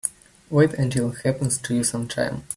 Wait until it happens to you sometime.